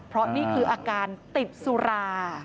เพราะนี่คืออาการติดสุรา